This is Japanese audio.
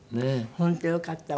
本当よかったわ。